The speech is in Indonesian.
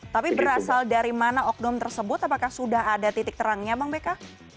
tapi berasal dari mana oknum tersebut apakah sudah ada titik terangnya bang beka